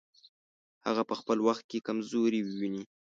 هغه په خپل وخت کې کمزوري وویني.